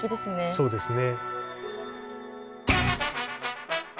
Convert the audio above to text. そうですね。